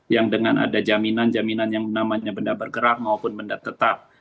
yang dengan ada jaminan jaminan yang namanya benda bergerak maupun benda tetap